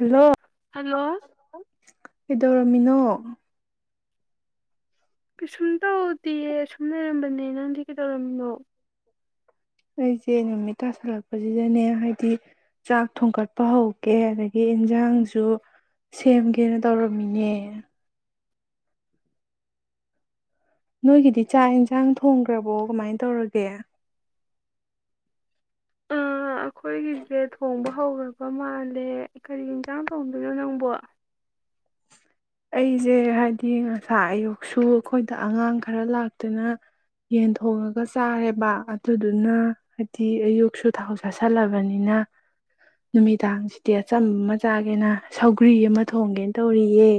hello hello ꯇꯧꯔꯝꯃꯤꯅꯣ ꯀꯩꯁꯨꯝ ꯇꯧꯗꯌꯦ ꯁꯨꯝ ꯂꯩꯔꯝꯕꯅꯦ ꯅꯪꯗꯤ ꯀꯩꯗꯧꯔꯝꯃꯤꯅꯣ ꯑꯩꯁꯦ ꯅꯨꯃꯤꯠ ꯇꯥꯁꯜꯂꯛꯄꯁꯤꯗꯅꯦ ꯍꯥꯏꯕꯗꯤ ꯆꯥꯛ ꯊꯣꯡꯒꯠꯄ ꯍꯧꯒꯦ ꯑꯗꯒꯤ ꯏꯟꯁꯥꯡꯁꯨ ꯁꯦꯝꯒꯦꯅ ꯇꯧꯔꯝꯃꯤꯅꯦ ꯅꯣꯏꯒꯤꯗꯤ ꯆꯥꯛ ꯌꯦꯟꯁꯥꯡ ꯊꯣꯡꯈ꯭ꯔꯕꯣ ꯀꯃꯥꯏꯅ ꯇꯧꯔꯒꯦ ꯑꯩꯈꯣꯏꯒꯤꯁꯦ ꯊꯣꯡꯕ ꯍꯧꯈ꯭ꯔꯕ ꯃꯥꯜꯂꯦ ꯀꯔꯤ ꯌꯦꯟꯁꯥꯡ ꯊꯣꯡꯗꯣꯏꯅꯣ ꯅꯪꯕꯣ ꯑꯩꯁꯦ ꯍꯥꯏꯗꯤ ꯉꯁꯥ ꯑꯌꯨꯛꯁꯨ ꯑꯩꯈꯣꯏꯗ ꯑꯉꯥꯡ ꯈꯔ ꯂꯥꯛꯇꯨꯅ ꯌꯦꯟ ꯊꯣꯡꯉꯒ ꯆꯥꯔꯦꯕ ꯑꯗꯨꯗꯨꯅ ꯍꯥꯏꯗꯤ ꯑꯌꯨꯛꯁꯨ ꯊꯥꯎ ꯆꯁꯤꯜꯂꯕꯅꯤꯅ ꯅꯨꯃꯤꯗꯥꯡꯁꯤꯗꯤ ꯑꯆꯝꯕ ꯑꯃ ꯆꯥꯒꯦꯅ ꯁꯧꯒ꯭ꯔꯤ ꯑꯃ ꯊꯣꯡꯒꯦꯅ ꯇꯧꯔꯤꯌꯦ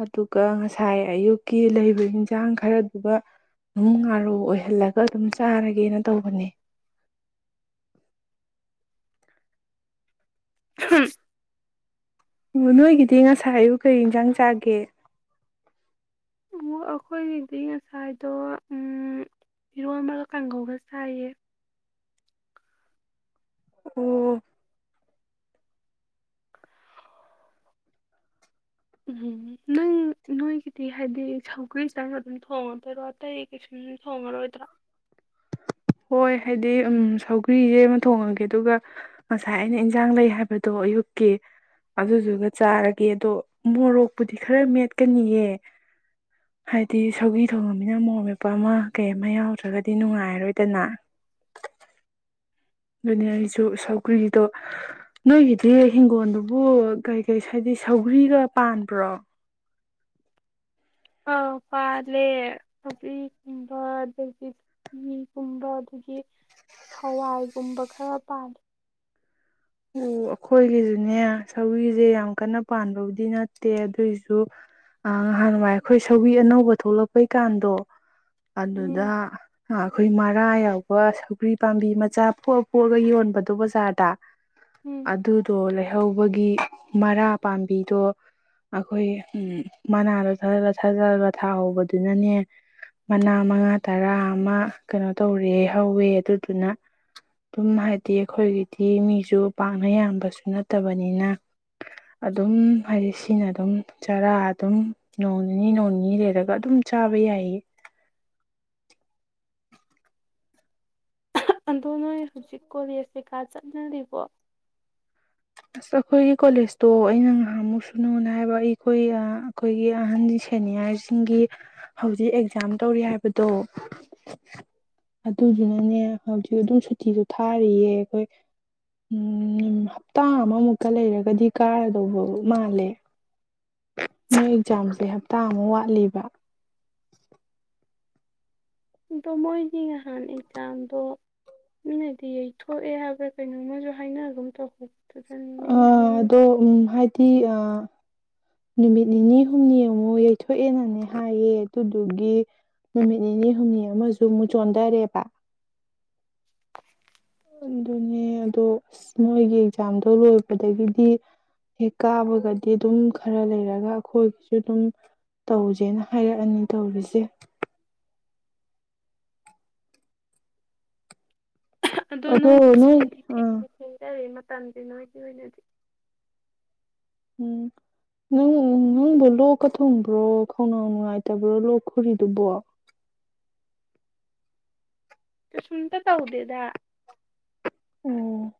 ꯑꯗꯨꯒ ꯉꯁꯥꯏ ꯑꯌꯨꯛꯀꯤ ꯂꯩꯕ ꯏꯟꯁꯥꯡ ꯈꯔꯗꯨꯒ ꯑꯗꯨꯝ ꯉꯥꯔꯨ ꯑꯣꯏꯍꯜꯂꯒ ꯑꯗꯨꯝ ꯆꯥꯔꯒꯦꯅ ꯇꯧꯕꯅꯤ ꯎꯝ ꯑꯣ ꯅꯣꯏꯒꯤꯗꯤ ꯉꯁꯥꯏ ꯑꯌꯨ ꯀꯩ ꯏꯟꯁꯥꯡ ꯆꯥꯒꯦ ꯑꯩꯈꯣꯏꯒꯤꯗꯤ ꯉꯁꯥꯏꯗꯣ ꯏꯔꯣꯟꯕ ꯀꯥꯡꯒꯧꯅ ꯁꯥꯏꯌꯦ ꯎꯝ ꯎꯝ ꯅꯪ ꯅꯣꯏꯒꯤꯗꯤ ꯍꯥꯏꯗꯤ ꯁꯧꯒ꯭ꯔꯤ ꯆꯪꯕ ꯑꯗꯨꯝ ꯊꯣꯡꯉꯗꯣꯏꯔꯣ ꯑꯇꯩ ꯀꯩꯁꯨꯝ ꯊꯣꯡꯉꯔꯣꯏꯗ꯭ꯔꯥ ꯍꯣꯏ ꯍꯥꯏꯗꯤ ꯎ ꯁꯧꯒ꯭ꯔꯤꯁꯦ ꯑꯃ ꯊꯣꯡꯉꯒꯦ ꯑꯗꯨꯒ ꯉꯁꯥꯏ ꯑꯩꯅ ꯏꯟꯁꯥꯡ ꯂꯩ ꯍꯥꯏꯕꯗꯣ ꯑꯌꯨꯛꯀꯤ ꯑꯗꯨꯗꯨꯒ ꯆꯥꯔꯒꯦ ꯑꯗꯣ ꯃꯣꯔꯣꯛꯄꯨꯗꯤ ꯈꯔ ꯃꯦꯠꯀꯅꯤꯑ ꯍꯥꯏꯗꯤ ꯁꯧꯒꯤ ꯊꯣꯡꯉꯝꯅꯤꯅ ꯃꯣꯔꯠ ꯃꯦꯞꯄ ꯑꯃ ꯀꯩ ꯑꯃ ꯌꯥꯎꯗ꯭ꯔꯒꯗꯤ ꯅꯨꯡꯉꯥꯏꯔꯔꯣꯏꯗꯅ ꯑꯗꯨꯅꯦ ꯑꯩꯁꯨ ꯁꯧꯒ꯭ꯔꯤꯗꯣ ꯅꯣꯏꯒꯤꯗꯤ ꯏꯤꯡꯒꯣꯜꯗꯨꯕꯨ ꯀꯩꯀꯩ ꯍꯥꯏꯗꯤ ꯁꯧꯒ꯭ꯔꯤꯒ ꯄꯥꯟꯕ꯭ꯔꯣ ꯑꯥ ꯄꯥꯜꯂꯦ ꯀꯕ꯭ꯔꯤꯒꯨꯝꯕ ꯑꯗꯒꯤ ꯆꯅꯤꯒꯨꯝꯕ ꯑꯗꯒꯤ ꯍꯋꯥꯏꯒꯨꯝꯕ ꯈꯔ ꯄꯥꯂꯦ ꯑꯣ ꯑꯩꯈꯣꯏꯒꯤꯁꯨꯅꯦ ꯁꯧꯕꯤꯁꯦ ꯌꯥꯝ ꯀꯟꯅ ꯄꯥꯟꯕꯕꯨꯗꯤ ꯅꯠꯇꯦ ꯑꯗꯨꯏꯁꯨ ꯉꯍꯥꯟ ꯅꯨꯡꯋꯥꯥꯏ ꯑꯩꯈꯣꯏ ꯁꯧꯤ ꯑꯅꯧꯕ ꯊꯣꯛꯂꯛꯄꯩꯀꯥꯟꯗꯣ ꯑꯗꯨꯗ ꯎꯝ ꯑꯩꯈꯣꯏ ꯃꯔꯥ ꯌꯥꯎꯕ ꯑꯗꯨꯒ ꯁꯧꯒ꯭ꯔꯤ ꯄꯥꯝꯕꯤ ꯃꯆꯥ ꯄꯣꯛꯑ ꯄꯣꯛꯑꯒ ꯌꯣꯟꯕꯗꯣ ꯕꯖꯥꯔꯗ ꯎꯝ ꯑꯗꯨꯗꯣ ꯂꯩꯍꯧꯕꯒꯤ ꯃꯔꯥ ꯄꯥꯝꯕꯤꯗꯣ ꯑꯩꯈꯣꯏ ꯎ ꯃꯅꯥꯗꯣ ꯊꯥꯖꯤꯜꯂ ꯊꯥꯍꯧꯕꯗꯨꯅꯅꯦ ꯃꯅꯥ ꯃꯉꯥ ꯇꯔꯥ ꯑꯃ ꯀꯩꯅꯣ ꯇꯧꯔꯦ ꯍꯧꯋꯦ ꯑꯗꯨꯗꯨꯅ ꯑꯗꯨꯝ ꯍꯥꯏꯗꯤ ꯑꯩꯈꯣꯏꯒꯤꯗꯤ ꯃꯤ ꯁꯨꯨ ꯄꯥꯛꯅ ꯌꯥꯝꯕꯁꯨ ꯅꯠꯇꯕꯅꯤꯅ ꯑꯗꯨꯝ ꯍꯥꯏꯗꯤ ꯁꯤꯅ ꯑꯗꯨꯝ ꯆꯥꯔꯥ ꯑꯗꯨꯝ ꯅꯣꯡ ꯅꯤꯅꯤ ꯅꯣꯡ ꯅꯤꯅꯤ ꯂꯩꯔꯒ ꯑꯗꯨꯝ ꯆꯥꯕ ꯌꯥꯏ ꯑꯗꯣ ꯅꯣꯏ ꯍꯧꯖꯤꯛ ꯀꯣꯂꯦꯖ ꯀꯩꯀꯥ ꯆꯠꯅꯔꯤꯕꯣ ꯑꯁ ꯑꯩꯈꯣꯏꯒꯤ ꯀꯣꯂꯦꯖꯇꯣ ꯑꯩꯅ ꯉꯥꯏꯍꯥꯃꯨꯛ ꯁꯨꯅꯨꯅ ꯍꯥꯏꯕ ꯑꯩꯈꯣꯏ ꯑꯩꯈꯣꯏꯒꯤ ꯑꯍꯟ ꯁꯦꯅꯤꯌꯥꯔꯁꯤꯡꯒꯤ ꯍꯧꯖꯤꯛ ꯑꯦꯛꯖꯥꯝ ꯇꯧꯔꯤ ꯍꯥꯏꯕꯗꯣ ꯑꯗꯨꯗꯨꯅꯅꯦ ꯍꯧꯖꯤꯛ ꯑꯗꯨꯝ ꯁꯨꯇꯤꯁꯨ ꯊꯥꯔꯤꯌꯦ ꯑꯩꯈꯣꯏ ꯞ ꯇꯇꯥ ꯑꯃꯃꯨꯛꯀ ꯂꯩꯔꯒꯗꯤ ꯀꯥꯔꯗꯧꯕ ꯃꯥꯜꯂꯦ ꯅꯣꯏ ꯑꯦꯛꯖꯥꯝꯁꯦ ꯍꯞꯇꯥ ꯑꯃꯨ ꯋꯥꯠꯂꯤꯕ ꯑꯗꯣ ꯃꯣꯏꯒꯤ ꯅꯍꯥꯟ ꯑꯦꯛꯖꯥꯝꯗꯣ ꯃꯤꯣꯏꯅꯗꯤ ꯌꯩꯊꯣꯛꯑꯦ ꯍꯥꯏꯕ꯭ꯔꯥ ꯀꯩꯅꯣ ꯃꯣꯏꯁꯨ ꯍꯥꯏꯅ ꯑꯗꯨꯝ ꯇꯧꯍꯧ ꯑ ꯑꯗꯣ ꯎ ꯍꯥꯏꯗꯤ ꯑ ꯅꯨꯃꯤꯠ ꯅꯤꯅꯤ ꯍꯨꯝꯅꯤ ꯑꯃꯨꯛ ꯌꯩꯊꯣꯛꯑꯦꯅꯅꯦ ꯍꯥꯏꯌꯦ ꯑꯗꯨꯗꯨꯒꯤ ꯅꯨꯃꯤꯠ ꯅꯤꯅꯤ ꯍꯨꯝꯅꯤ ꯑꯃꯁꯨ ꯑꯃꯨꯛ ꯆꯣꯟꯊꯔꯦꯕ ꯑꯗꯨꯅꯦ ꯑꯗꯣ ꯑꯁ ꯃꯣꯏꯒꯤ ꯑꯦꯛꯖꯥꯝꯗꯣ ꯂꯣꯏꯕꯗꯒꯤꯗꯤ ꯍꯦꯛ ꯀꯥꯕꯒꯗꯤ ꯑꯗꯨꯝ ꯈꯔ ꯂꯩꯔꯒ ꯑꯩꯈꯣꯏꯒꯤꯁꯨ ꯑꯗꯨꯝ ꯇꯧꯁꯦꯅ ꯍꯥꯏꯔꯛꯑꯅꯤ ꯇꯧꯔꯤꯁꯦ ꯑꯗꯣ ꯅꯪꯒꯤꯁꯨ ꯅꯣꯏ ꯍꯥꯏꯗꯤ ꯏ ꯑꯥ ꯊꯦꯡꯁꯨ ꯊꯦꯡꯅꯔꯦ ꯇꯟꯗꯅꯣ ꯍꯥꯏꯒꯤ ꯑꯣꯏꯅꯗꯤ ꯎꯝ ꯅꯪ ꯅꯪꯕꯨ ꯂꯣꯛꯀ ꯊꯣꯡꯕ꯭ꯔꯣ ꯈꯣꯡꯅꯥꯎ ꯅꯨꯡꯉꯥꯏꯇꯕ꯭ꯔꯣ ꯂꯣꯛ ꯈꯨꯔꯤꯗꯨꯕꯣ ꯁꯟꯇ ꯇꯥꯎꯗꯦꯗ ꯎꯝ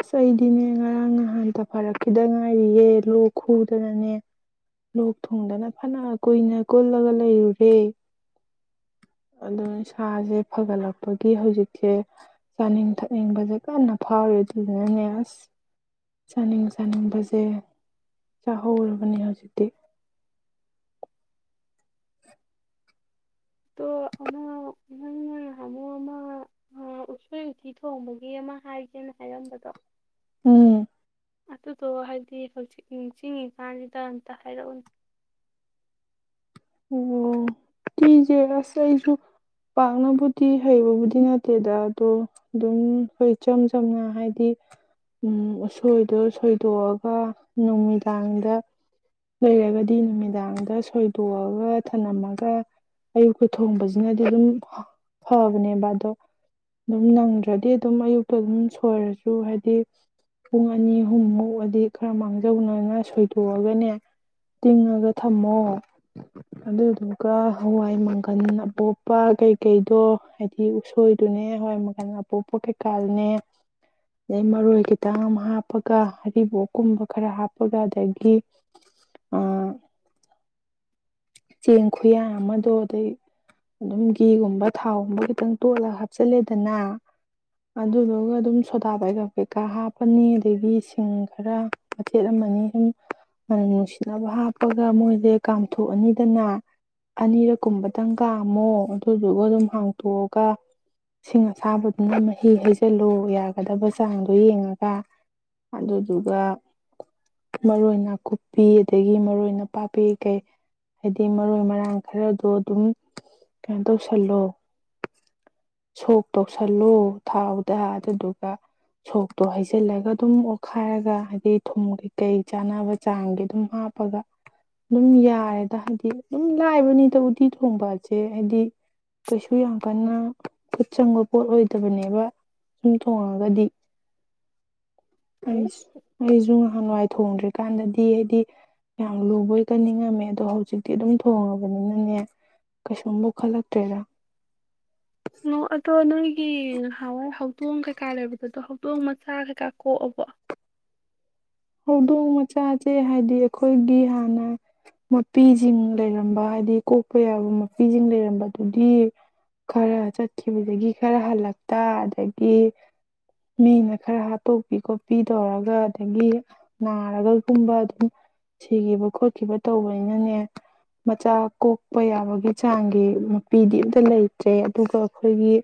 ꯑꯁ ꯑꯩꯗꯤꯅꯦ ꯉꯔꯥꯡ ꯅꯍꯥꯟꯇ ꯐꯔꯛꯈꯤꯗ ꯉꯥꯏꯔꯤꯌꯦ ꯂꯣꯛ ꯈꯨꯗꯅꯅꯦ ꯂꯣꯛ ꯊꯨꯡꯗꯅ ꯐꯅ ꯀꯨꯏꯅ ꯀꯨꯜꯂꯒ ꯂꯩꯔꯨꯔꯦ ꯑꯗꯨꯅ ꯁꯥꯁꯦ ꯐꯒꯠꯂꯛꯄꯒꯤ ꯍꯧꯖꯤꯛꯁꯦ ꯆꯥꯅꯤꯡ ꯊꯛꯅꯤꯡꯕꯁꯦ ꯀꯟꯅ ꯐꯥꯎꯔꯦ ꯑꯗꯨꯅꯅꯦ ꯑꯁ ꯆꯥꯅꯤꯡ ꯆꯥꯅꯤꯡꯕꯁꯦ ꯆꯥꯍꯧꯔꯕꯅꯦ ꯍꯧꯖꯤꯛꯇꯤ ꯑꯗꯣ ꯑꯃ ꯏꯪꯅ ꯍꯥꯃꯣ ꯑꯃ ꯎꯁꯣꯏ ꯎꯇꯤ ꯊꯣꯡꯕꯒꯤ ꯑꯃ ꯍꯥꯏꯒꯦꯅ ꯍꯥꯏꯔꯝꯕꯗꯣ ꯎꯝ ꯑꯗꯨꯗꯣ ꯍꯥꯏꯗꯤ ꯍꯧꯆ ꯅꯤꯡꯁꯤꯡꯉꯤꯀꯥꯟꯁꯤꯗ ꯑꯝꯇ ꯍꯥꯏꯔꯛꯎꯅꯦ ꯑꯣ ꯇꯤꯁꯦ ꯑꯁ ꯑꯩꯁꯨ ꯄꯥꯛꯅꯕꯨꯗꯤ ꯍꯩꯕꯕꯨꯗꯤ ꯅꯠꯇꯦꯗ ꯑꯗꯣ ꯑꯗꯨꯝ ꯑꯩꯣꯏ ꯏꯆꯝ ꯆꯝꯅ ꯍꯥꯏꯗꯤ ꯎ ꯑꯁꯣꯏꯗꯣ ꯁꯣꯏꯗꯣꯛꯑꯒ ꯅꯨꯃꯤꯗꯥꯡꯗ ꯂꯩꯔꯒꯗꯤ ꯅꯨꯃꯤꯗꯥꯡꯗ ꯊꯣꯏꯇꯣꯛꯑꯒ ꯊꯅꯂꯝꯝꯃꯒ ꯑꯌꯨꯛꯇ ꯊꯣꯡꯕꯁꯤꯅꯗꯤ ꯑꯗꯨꯝ ꯐꯕꯅꯦꯕ ꯑꯗꯣ ꯑꯗꯨꯝ ꯅꯪꯗ꯭ꯔꯗꯤ ꯑꯗꯨꯝ ꯑꯌꯨꯛꯇ ꯑꯗꯨꯝ ꯁꯣꯏꯔꯁꯨ ꯍꯥꯏꯗꯤ ꯄꯨꯡ ꯑꯅꯤ ꯑꯍꯨꯝꯃꯨꯛꯑꯗꯤ ꯈꯔ ꯃꯥꯡꯖꯧꯅꯅ ꯁꯣꯏꯗꯣꯛꯑꯒꯅꯦ ꯇꯤꯡꯉꯒ ꯊꯝꯃꯣ ꯑꯗꯨꯗꯨꯒ ꯍꯋꯥꯏ ꯃꯪꯒꯜ ꯑꯄꯣꯛꯄ ꯀꯩꯀꯩꯗꯣ ꯍꯥꯏꯗꯤ ꯎꯁꯣꯏꯗꯨꯅꯦ ꯍꯋꯥꯏ ꯃꯪꯒꯜ ꯑꯄꯣꯛꯄ ꯀꯩꯀꯥꯗꯨꯅꯦ ꯑꯗꯩ ꯃꯔꯣꯏ ꯈꯤꯇꯪ ꯑꯃ ꯍꯥꯞꯄꯒ ꯑꯔꯤꯕꯣꯀꯨꯝꯕ ꯈꯔ ꯍꯥꯞꯄꯒ ꯑꯗꯒꯤ ꯑ ꯆꯦꯡ ꯈꯨꯌꯥ ꯑꯃꯗꯣ ꯑꯗꯩ ꯑꯗꯨꯝ ꯘꯤꯒꯨꯝꯕ ꯊꯥꯎꯒꯨꯝꯕ ꯈꯤꯇꯪ ꯇꯣꯠꯂꯒ ꯍꯥꯞꯆꯤꯜꯂꯦꯗꯅ ꯑꯗꯨꯗꯨꯒ ꯑꯗꯨꯝ ꯁꯣꯗꯥ ꯄꯩꯀꯥ ꯀꯩꯀꯥ ꯍꯥꯞꯄꯅꯤ ꯑꯗꯒꯤ ꯁꯤꯡ ꯈꯔ ꯃꯆꯦꯠ ꯑꯃꯅꯤ ꯁꯨꯝ ꯃꯅ ꯅꯨꯡꯁꯤꯠꯅꯕ ꯍꯥꯞꯄꯒ ꯃꯣꯏꯁꯦ ꯀꯥꯝꯊꯣꯛ ꯍꯥꯡꯊꯣꯛꯑꯅꯤꯗꯅ ꯑꯅꯤꯔꯛ ꯀꯨꯝꯕꯇꯪ ꯀꯥꯝꯃꯣ ꯑꯗꯨꯗꯨꯒ ꯑꯗꯨꯝ ꯍꯥꯡꯇꯣꯛꯑꯒ ꯁꯤꯡ ꯑꯁꯥꯕꯗꯨꯅ ꯃꯍꯤ ꯍꯩꯖꯤꯜꯂꯨ ꯌꯥꯒꯗꯕ ꯆꯥꯡꯗꯣ ꯌꯦꯡꯉꯒ ꯑꯗꯨꯗꯨꯒ ꯃꯔꯣꯏ ꯅꯥꯀꯨꯞꯄꯤ ꯑꯗꯒꯤ ꯃꯔꯣꯏꯅ ꯄꯥꯄꯤ ꯀꯩ ꯍꯥꯏꯗꯤ ꯃꯔꯣꯏ ꯃꯔꯥꯡ ꯈꯔꯗꯣ ꯑꯗꯨꯝ ꯀꯩꯅꯣ ꯇꯧꯁꯜꯂꯣ ꯁꯣꯛ ꯇꯧꯁꯜꯂꯣ ꯊꯥꯎꯗ ꯑꯗꯨꯗꯨꯒ ꯁꯣꯛꯇꯣ ꯍꯩꯖꯤꯜꯂꯒ ꯑꯗꯨꯝ ꯑꯣꯠꯈꯥꯏꯔꯒ ꯍꯥꯏꯗꯤ ꯊꯨꯝ ꯀꯩꯀꯩ ꯆꯥꯅꯕ ꯆꯥꯡꯒꯤ ꯑꯗꯨꯝ ꯍꯥꯞꯄꯒ ꯑꯗꯨꯝ ꯌꯥꯔꯦ ꯍꯥꯏꯗꯤ ꯑꯗꯨꯝ ꯂꯥꯏꯕꯅꯤꯗ ꯎꯇꯤ ꯊꯣꯡꯕꯁꯦ ꯍꯥꯏꯗꯤ ꯀꯩꯁꯨ ꯌꯥꯝ ꯀꯟꯅ ꯈꯨꯠ ꯆꯪꯕ ꯄꯣꯠ ꯑꯣꯏꯗꯕꯅꯦꯕ ꯁꯨꯝ ꯊꯣꯡꯉꯒꯗꯤ ꯑꯩ ꯑꯩꯁꯨ ꯅꯍꯋꯥꯏ ꯊꯣꯡꯗ꯭ꯔꯤꯀꯥꯟꯗꯗꯤ ꯍꯥꯏꯗꯤ ꯌꯥꯝ ꯂꯨꯕꯣꯏ ꯀꯟꯅꯤꯡꯉꯝꯃꯦ ꯑꯗꯣ ꯍꯧꯖꯤ ꯍꯧꯖꯤꯛꯇꯤ ꯑꯗꯨꯝ ꯊꯣꯡꯉꯕꯅꯤꯅꯅꯦ ꯀꯩꯁꯨꯝꯕꯨꯈꯠꯂꯛꯇ꯭ꯔꯦꯔ ꯑꯣ ꯑꯗꯣ ꯅꯣꯏꯒꯤ ꯉꯍꯥꯟꯋꯥꯏ ꯍꯧꯗꯣꯡ ꯀꯩꯀꯥ ꯂꯩꯕꯗꯣ ꯑꯗꯣ ꯍꯧꯗꯣꯡ ꯃꯆꯥ ꯀꯩꯀꯥ ꯀꯣꯛꯑꯕꯣ ꯍꯧꯗꯣꯡ ꯃꯆꯥꯁꯦ ꯍꯥꯏꯗꯤ ꯑꯩꯈꯣꯏꯒꯤ ꯍꯥꯟꯅ ꯃꯄꯤꯁꯤꯡ ꯂꯩꯔꯝꯕ ꯍꯥꯏꯗꯤ ꯀꯣꯛꯄ ꯌꯥꯕ ꯃꯄꯤꯁꯤꯡ ꯂꯩꯔꯝꯕꯗꯨꯗꯤ ꯈꯔ ꯆꯠꯈꯤꯕꯗꯒꯤ ꯈꯔ ꯍꯜꯂꯛꯇ ꯑꯗꯒꯤ ꯃꯤꯅ ꯈꯔ ꯍꯥꯠꯇꯣꯛꯄꯤ ꯈꯣꯠꯄꯤ ꯇꯧꯔꯒ ꯑꯗꯒꯤ ꯅꯥꯔꯒꯒꯨꯝꯕ ꯑꯗꯨꯝ ꯁꯤꯈꯤꯕ ꯈꯣꯠꯈꯤꯕ ꯇꯧꯕꯅꯤꯅꯅꯦ ꯃꯆꯥ ꯀꯣꯛꯄ ꯌꯥꯕꯒꯤ ꯆꯥꯡꯒꯤ ꯃꯄꯤꯗꯤ ꯑ ꯑꯃꯝꯇ ꯂꯩꯇ꯭ꯔꯦ ꯑꯗꯨꯒ ꯑꯩꯈꯣꯏꯒꯤ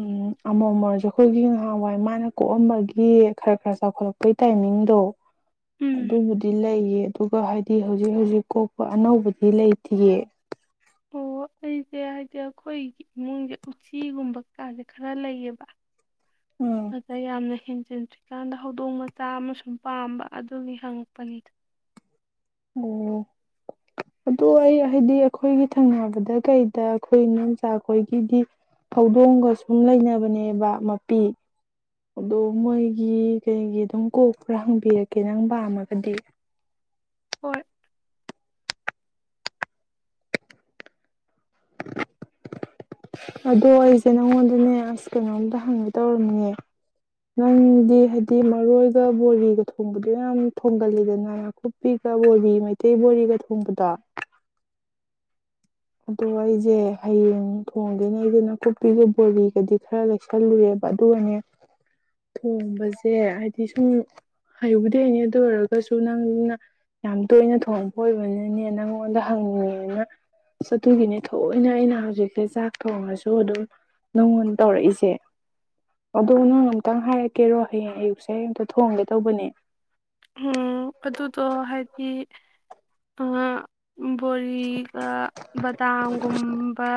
ꯎꯝ ꯑꯃꯣ ꯑꯃꯁꯨ ꯑꯩꯈꯣꯏꯒꯤ ꯅꯍꯥꯟꯋꯥꯏ ꯃꯥꯅ ꯀꯣꯛꯑꯝꯕꯒꯤ ꯈꯔ ꯈꯔ ꯆꯥꯎꯈꯠꯂꯛꯄꯒꯤ ꯇꯥꯏꯃꯤꯡꯗꯣ ꯎꯝ ꯑꯗꯨꯕꯨꯗꯤ ꯂꯩꯌꯦ ꯑꯗꯨꯒ ꯍꯥꯏꯗꯤ ꯍꯧꯖꯤꯛ ꯍꯧꯖꯤꯛ ꯀꯣꯛꯄ ꯑꯅꯧꯕꯗꯤ ꯂꯩꯇ꯭ꯔꯤꯌꯦ ꯑꯣ ꯑꯩꯁꯦ ꯍꯥꯏꯗꯤ ꯑꯩꯈꯣꯏꯒꯤ ꯏꯃꯨꯡꯁꯦ ꯎꯆꯤꯒꯨꯝꯕꯀꯥꯁꯦ ꯈꯔ ꯂꯩꯌꯦꯕ ꯎꯝ ꯑ ꯇ ꯌꯥꯝ ꯅ ꯍꯤꯟꯖꯤꯟꯗ꯭ꯔꯤꯀꯥꯟꯗ ꯍꯧꯗꯣꯡ ꯃꯆꯥ ꯑꯃꯁꯨꯡ ꯄꯥꯝꯕ ꯑꯗꯨꯒꯤ ꯍꯪꯉꯛꯄꯅꯤ ꯑꯣ ꯑꯗꯨ ꯑꯩ ꯍꯥꯏꯗꯤ ꯑꯩꯈꯣꯏꯒꯤ ꯊꯪꯅꯕꯗ ꯀꯩꯗ ꯑꯩꯈꯣꯏ ꯏꯣꯆꯥꯈꯣꯏꯒꯤꯗꯤ ꯍꯧꯧꯗꯣꯡꯒ ꯁꯨꯝ ꯂꯩꯅꯕꯅꯦꯕ ꯃꯄꯤ ꯑꯗꯣ ꯃꯣꯏꯒꯤ ꯀꯩꯒꯤ ꯑꯗꯨꯝ ꯀꯣꯛ ꯈꯔ ꯍꯪꯕꯤꯔꯛꯀꯦ ꯅꯪ ꯄꯥꯝꯃꯒꯗꯤ ꯍꯣꯏ [unintelligible] ꯑꯗꯣ ꯑꯩꯁꯦ ꯅꯪꯉꯣꯟꯗꯅꯦ ꯑꯁ ꯀꯩꯅꯣꯝꯇ ꯍꯪꯉꯦ ꯇꯧꯔꯝꯅꯦ ꯅꯪꯗꯤ ꯍꯥꯏꯗꯤ ꯃꯔꯣꯏꯒ ꯕꯣꯔꯤꯒ ꯊꯣꯡꯕꯗꯣ ꯌꯥꯝ ꯊꯣꯡꯒꯜꯂꯤꯗꯅ ꯅꯥꯀꯨꯞꯄꯤꯒ ꯕꯣꯔꯤ ꯃꯩꯇꯩ ꯕꯣꯔꯤꯒ ꯊꯣꯡꯕꯗꯣ ꯑꯗꯣ ꯑꯩꯁꯦ ꯍꯌꯦꯡ ꯊꯣꯡꯒꯦꯅꯦ ꯑꯩꯗꯅ ꯀꯨꯞꯄꯤꯒ ꯕꯣꯔꯤꯒꯗꯤ ꯈꯔ ꯂꯩꯁꯜꯂꯨꯔꯦꯕ ꯑꯗꯨꯒꯅꯦ ꯊꯣꯡꯕꯁꯦ ꯍꯥꯏꯗꯤ ꯁꯨꯝ ꯍꯩꯕꯨꯗꯤ ꯍꯅꯦ ꯑꯗꯨ ꯑꯣꯏꯔꯒꯁꯨ ꯅꯪꯅ ꯌꯥꯝ ꯇꯣꯏꯅ ꯊꯣꯡꯕ ꯑꯣꯏꯕꯅꯤꯅꯦ ꯅꯪꯉꯣꯟꯗ ꯍꯪꯅꯤꯡꯉꯦꯅ ꯆ ꯑꯗꯨꯨꯒꯤꯅꯦ ꯊꯣꯏꯅ ꯑꯩꯅ ꯍꯧꯖꯤꯛꯁꯦ ꯆꯥꯛ ꯊꯣꯡꯉꯁꯨ ꯑꯗꯨꯝ ꯅꯪꯉꯣꯟ ꯇꯧꯔꯛꯏꯁꯦ ꯑꯗꯣ ꯅꯪ ꯑꯝꯛꯇꯪ ꯍꯥꯏꯔꯛꯀꯦꯔꯣ ꯍꯌꯦꯡ ꯑꯌꯨꯛꯁꯦ ꯑꯃꯝꯇ ꯊꯣꯡꯒꯦ ꯇꯧꯕꯅꯦ ꯎꯝ ꯑꯗꯨꯗꯣ ꯍꯥꯏꯗꯤ ꯑ ꯕꯣꯔꯤꯒ ꯕꯗꯥꯝꯒꯨꯝꯕ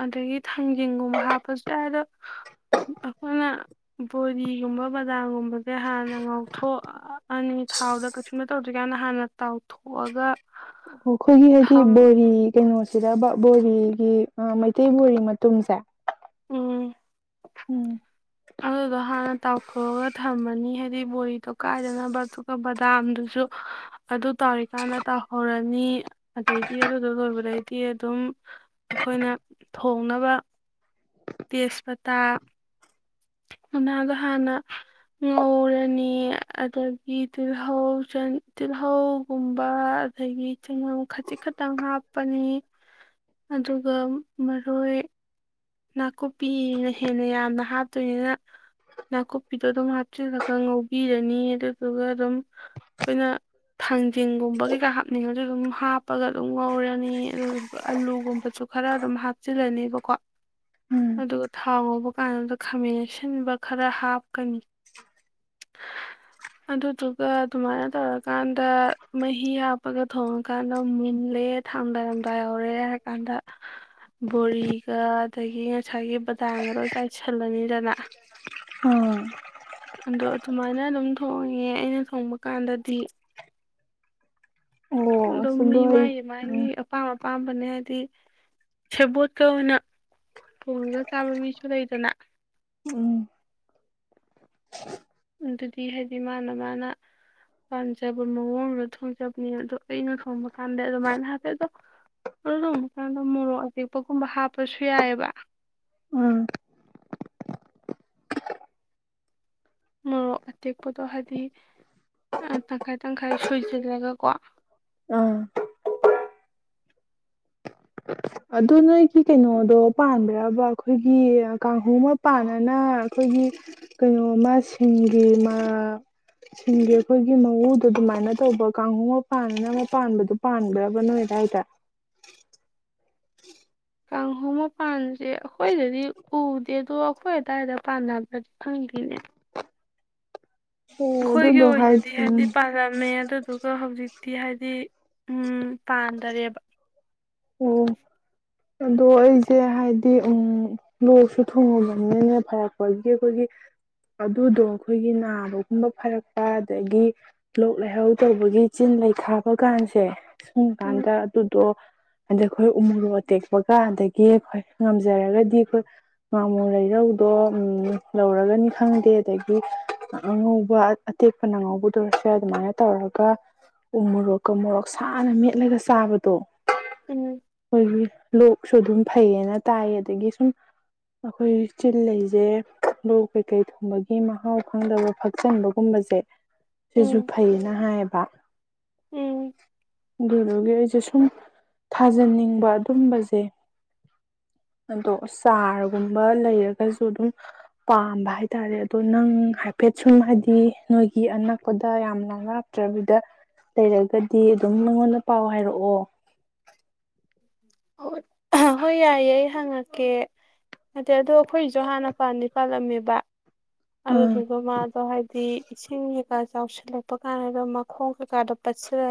ꯑꯗꯒꯤ ꯊꯥꯡꯖꯤꯡꯒꯨꯝꯕ ꯍꯥꯞꯄꯁꯨ ꯌꯥꯏ ꯑꯗꯣ ꯑꯩꯈꯣꯏꯅ ꯕꯣꯗꯤꯒꯨꯝꯕ ꯕꯗꯥꯝꯒꯨꯝꯕ ꯑꯃꯗꯤ ꯍꯥꯟꯅ ꯉꯥꯎꯊꯣꯛꯑ ꯑꯅꯤ ꯊꯥꯎꯗ ꯀꯩꯁꯨꯨꯝꯃ ꯇꯧꯗ꯭ꯔꯤꯀꯥꯟꯗ ꯍꯥꯟꯅ ꯇꯥꯎꯊꯣꯛꯑꯒ ꯑꯣ ꯑꯩꯈꯣꯏꯒꯤ ꯍꯥꯏꯗꯤ ꯊꯝ ꯕꯣꯔꯤ ꯀꯩꯅꯣꯁꯦ ꯁꯤꯗ ꯕꯣꯔꯤꯒꯤ ꯃꯩꯇꯩ ꯕꯣꯔꯤ ꯃꯇꯨꯝꯁꯦ ꯎꯝ ꯎꯝ ꯑꯗꯨꯗꯣ ꯍꯥꯟꯅ ꯇꯥꯎꯊꯣꯛꯑꯒ ꯊꯝꯃꯅꯤ ꯍꯥꯏꯗꯤ ꯕꯣꯔꯤ ꯀꯥꯏꯗꯅꯕꯔ ꯇ ꯀ ꯗꯥꯝꯗꯨꯁꯨ ꯑꯗꯨ ꯇꯧꯔꯤꯀꯥꯟꯗ ꯇꯧꯍꯧꯔꯅꯤ ꯑꯗꯩꯗꯤ ꯑꯗꯨꯗ ꯂꯣꯏꯕꯗꯩꯗꯤ ꯑꯗꯨꯝ ꯑꯩꯈꯣꯏꯅ ꯊꯣꯡꯅꯕ ꯇꯦꯖꯄꯇꯥ ꯃꯅꯥꯗ ꯍꯥꯟꯅ ꯉꯧꯔꯅꯤ ꯑꯗꯒꯤ ꯇꯤꯜꯍꯧ ꯇꯤꯜꯍꯧꯒꯨꯝꯕ ꯑꯗꯒꯤ ꯆꯪꯉꯝ ꯈꯖꯤꯛ ꯈꯛꯇꯪ ꯍꯥꯞꯄꯅꯤ ꯑꯗꯨꯒ ꯃꯔꯣꯏ ꯅꯥꯀꯨꯞꯄꯤꯅ ꯍꯦꯟꯅ ꯌꯥꯝꯅ ꯍꯥꯞꯇꯣꯏꯅꯤꯅ ꯅꯥꯀꯨꯞꯄꯤꯗꯣ ꯑꯗꯨꯝ ꯍꯥꯞꯆꯤꯜꯂꯒ ꯉꯧꯕꯤꯔꯅꯤ ꯑꯗꯨꯗꯨꯒ ꯑꯗꯨꯝ ꯑꯩꯈꯣꯏꯅ ꯊꯥꯡꯖꯤꯡꯒꯨꯝꯕ ꯀꯩꯀꯥ ꯍꯥꯞꯅꯤꯡꯉꯁꯨ ꯑꯗꯨꯝ ꯍꯥꯞꯄꯒ ꯑꯗꯨꯝ ꯉꯧꯔꯅꯤ ꯑꯗꯨꯗꯨꯒ ꯑꯂꯨꯒꯨꯝꯕꯁꯨ ꯈꯔ ꯑꯗꯨꯝ ꯍꯥꯞꯆꯤꯜꯂꯅꯤ ꯣ ꯎꯝ ꯑꯗꯨꯒ ꯊꯥꯎ ꯉꯧꯕ ꯀꯥꯟꯗ ꯈꯥꯃꯦꯟ ꯑꯁꯤꯟꯕ ꯈꯔ ꯍꯥꯞꯀꯅꯤ ꯑꯗꯨꯗꯨꯒ ꯑꯗꯨꯃꯥꯏꯅ ꯇꯧꯔꯀꯥꯟꯗ ꯃꯍꯤ ꯍꯥꯞꯄꯒ ꯊꯣꯡꯉꯀꯥꯟꯗ ꯃꯨꯜꯂꯦ ꯊꯥꯡꯗꯥꯏꯔꯝꯗꯥꯏ ꯌꯥꯧꯔꯦ ꯍꯥꯏꯔꯀꯥꯟꯗ ꯕꯣꯔꯤ ꯑꯗꯒꯤ ꯉꯁꯥꯏꯒꯤ ꯕꯗꯥꯡꯒꯗꯣ ꯆꯥꯏꯁꯤꯜꯂꯅꯤꯗꯅ ꯑꯥ ꯑꯗꯣ ꯑꯗꯨꯃꯥꯏꯅ ꯑꯗꯨꯝ ꯊꯣꯡꯉꯦ ꯑꯩꯅ ꯊꯣꯡꯕ ꯀꯥꯟꯗꯗꯤ ꯑꯣ ꯑꯗꯨꯝ ꯑꯁ ꯃꯤ ꯑꯗꯣ ꯑꯩ ꯃꯥꯒꯤ ꯃꯥꯒꯤ ꯑꯄꯥꯝ ꯑꯄꯥꯝꯕꯅꯦ ꯍꯥꯏ ꯁꯦꯕꯣꯠꯀ ꯑꯣꯏꯅ ꯊꯣꯡꯉꯒ ꯆꯥꯕ ꯃꯤꯁꯨ ꯂꯩꯗꯅ ꯎꯝ ꯎꯝ ꯑꯗꯨꯗꯤ ꯍꯥꯏꯗꯤ ꯃꯥꯅ ꯃꯥꯅ ꯄꯥꯝꯖꯕ ꯃꯑꯣꯡꯗ ꯊꯣꯡꯖꯕꯅꯦ ꯑꯗꯣ ꯑꯩꯅ ꯊꯣꯡꯕ ꯀꯥꯟꯗ ꯑꯗꯨꯃꯥꯏꯅ ꯍꯥꯞꯄꯦ ꯑꯗꯣ ꯑꯗꯨ ꯊꯣꯡꯕ ꯀꯥꯟꯗ ꯃꯣꯔꯣꯛ ꯑꯇꯦꯛꯄꯒꯨꯝꯕ ꯍꯥꯞꯄꯁꯨ ꯌꯥꯏꯑꯕ ꯑꯥ ꯃꯣꯔꯣꯛ ꯑꯇꯦꯛꯄꯗꯣ ꯍꯥꯏꯗꯤ ꯇꯪꯈꯥꯏ ꯇꯪꯈꯥꯏ ꯁꯣꯏꯁꯤꯜꯂꯒꯀꯣ ꯑꯥ ꯑꯗꯨ ꯅꯣꯏꯒꯤ ꯀꯩꯅꯣꯗꯣ ꯄꯥꯟꯕ꯭ꯔꯕ ꯑꯩꯈꯣꯏꯒꯤ ꯀꯥꯡꯍꯧ ꯑꯃ ꯄꯥꯟꯅꯅ ꯑꯩꯈꯣꯏꯒꯤ ꯀꯩꯅꯣꯃ ꯁꯤꯡꯒꯤ ꯁꯤꯡꯒꯤ ꯑꯩꯈꯣꯏꯒꯤ ꯃꯎꯗꯣ ꯑꯗꯨꯃꯥꯏꯅ ꯇꯧꯕ ꯀꯥꯡꯍꯧ ꯑꯃ ꯄꯥꯟꯅ ꯑꯃ ꯄꯥꯟꯕꯗꯣ ꯄꯥꯟꯕ꯭ꯔꯕ ꯅꯣꯏꯗꯥꯏꯗ ꯀꯥꯡꯍꯣ ꯃꯄꯥꯟꯁꯦ ꯑꯩꯈꯣꯏꯗꯗꯤ ꯎꯗꯦ ꯑꯗꯣ ꯑꯩꯈꯣꯏ ꯑꯗꯨꯋꯥꯏꯗ ꯄꯥꯟꯅꯕ꯭ꯔꯗꯤ ꯈꯪꯗꯦꯅꯦ ꯑꯣ ꯑꯩꯈꯣꯏꯒꯤ ꯑꯗꯨꯗꯣ ꯍꯥꯏ ꯑꯣꯏꯅꯗꯤ ꯍꯥꯏꯕꯗꯤ ꯎꯝ ꯄꯥꯜꯂꯝꯃꯦ ꯑꯗꯨꯗꯨꯒ ꯍꯧꯖꯤꯛ ꯛꯇꯤ ꯍꯥꯏꯗꯤ ꯎꯝ ꯄꯥꯟꯗꯔꯦꯕ ꯑꯣ ꯑꯗꯣ ꯑꯩꯁꯦ ꯍꯥꯏꯗꯤ ꯎ ꯂꯣꯛꯁꯨ ꯊꯣꯡꯉꯕꯅꯤꯅꯅꯦ ꯐꯔꯛꯄꯒꯤ ꯑꯩꯈꯣꯏꯒꯤ ꯑꯗꯨꯗꯣ ꯑꯩꯈꯣꯏꯒꯤ ꯅꯥꯕꯒꯨꯝꯕ ꯐꯔꯛꯄ ꯑꯗꯒꯤ ꯂꯣꯛ ꯂꯩꯍꯧ ꯇꯧꯕꯒꯤ ꯆꯤꯟ ꯂꯩꯈꯥꯕ ꯀꯥꯟꯁꯦ ꯁꯨꯝ ꯎꯝ ꯀꯥꯟꯗ ꯑꯗꯨꯗꯣ ꯑꯗꯩ ꯑꯩꯈꯣꯏ ꯎ ꯃꯣꯔꯣꯛ ꯑꯇꯦꯛꯄꯒ ꯑꯗꯒꯤ ꯑꯩꯈꯣꯏ ꯉꯝꯖꯔꯒꯗꯤ ꯑꯩꯈꯣꯏ ꯉꯥꯃꯨ ꯂꯩꯔꯧꯗꯣ ꯂꯧꯔꯒꯅꯤ ꯈꯪꯗꯦ ꯑꯗꯒꯤ ꯑꯉꯧꯕ ꯑꯇꯦꯛꯄꯅꯉꯧꯕꯗ ꯑꯣꯏꯔꯁꯨ ꯑꯗꯨꯃꯥꯏꯅ ꯇꯧꯔꯒ ꯎ ꯃꯣꯔꯣꯛꯀ ꯃꯣꯔꯣꯛ ꯁꯥꯅ ꯃꯦꯠꯂꯒ ꯆꯥꯕꯗꯣ ꯎꯝ ꯍꯣꯏ ꯂꯣꯛꯁꯨ ꯑꯗꯨꯝ ꯐꯩꯌꯦꯅ ꯇꯥꯏ ꯑꯗꯒꯤ ꯁꯨꯝ ꯑꯩꯈꯣꯏ ꯆꯤꯜꯂꯁꯦ ꯂꯣꯛ ꯀꯩꯀꯩ ꯊꯨꯝꯕꯒꯤ ꯃꯍꯥꯎ ꯈꯪꯗꯕ ꯐꯛꯆꯟꯕꯒꯨꯝꯕꯁꯦ ꯁꯤꯁꯨ ꯎꯝ ꯐꯩꯌꯦꯅ ꯍꯥꯏꯌꯦꯕ ꯎꯝ ꯍꯒꯦ ꯆꯦ ꯁꯨꯝ ꯊꯥꯖꯅꯤꯡꯕ ꯑꯗꯨꯝꯕꯁꯦ ꯑꯗꯣ ꯆꯥꯔꯒꯨꯝꯕ ꯂꯩꯔꯒꯁꯨ ꯑꯗꯨꯝ ꯄꯥꯝꯕ ꯍꯥꯏꯇꯥꯔꯦ ꯑꯗꯣ ꯅꯪ ꯍꯥꯏꯐꯦꯠ ꯁꯨꯝ ꯍꯥꯏꯗꯤ ꯅꯣꯏꯒꯤ ꯑꯅꯛꯄꯗ ꯌꯥꯝ ꯂꯥꯏ ꯂꯥꯛꯛꯇ꯭ꯔꯕꯤꯗ ꯂꯩꯔꯒꯗꯤ ꯑꯗꯨꯝ ꯅꯉꯣꯟꯗ ꯄꯥꯎ ꯍꯥꯏꯔꯛꯑꯣ ꯍꯣꯏ ꯌꯥꯏꯌꯦꯦ ꯑꯩ ꯍꯪꯉꯛꯀꯦ ꯑꯗ ꯑꯗꯣ ꯑꯩꯈꯣꯏꯁꯨ ꯍꯥꯟꯅ ꯄꯥꯟꯅꯤ ꯄꯥꯜꯂꯝꯃꯦꯕ ꯑꯥ ꯑꯗꯨꯗꯨꯒ ꯃꯥꯗꯣ ꯍꯥꯏꯗꯤ ꯏꯁꯤꯡ ꯆꯥꯎꯁꯤꯜꯂꯛꯄ ꯀꯥꯟꯗ ꯃꯈꯣꯡ ꯀꯥꯟꯗ ꯄꯆꯔ